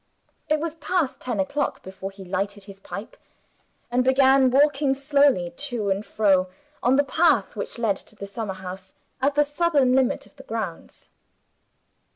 It was past ten o'clock before he lighted his pipe, and began walking slowly to and fro on the path which led to the summer house, at the southern limit of the grounds.